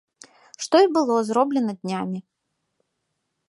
Што і было зроблена днямі.